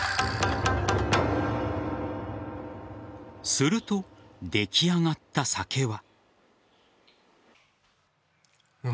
すると、出来上がった酒は。